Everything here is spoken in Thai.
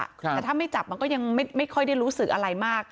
แต่ถ้าไม่จับมันก็ยังไม่ค่อยได้รู้สึกอะไรมาก